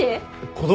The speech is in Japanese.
子供！？